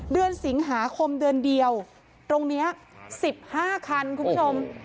เดือนสิงหาคมเดือนเดียวตรงนี้๑๕คันคุณผู้ชม